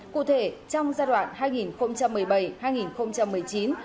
cụ thể trong giai đoạn hai nghìn hai mươi một